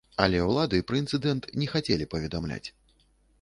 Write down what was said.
Але ўлады пра інцыдэнт не хацелі паведамляць.